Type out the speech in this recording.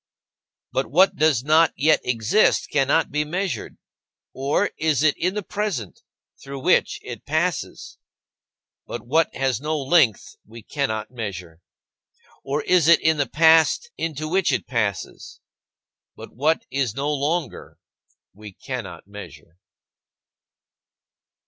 But what does not yet exist cannot be measured. Or, is it in the present, through which it passes? But what has no length we cannot measure. Or is it in the past into which it passes? But what is no longer we cannot measure.